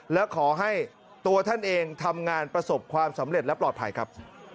และขอให้ตัวท่านเองทำงานประสบความสำเร็จและปลอดภัยครับ